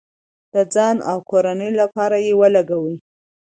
د ځان او کورنۍ لپاره یې ولګوئ.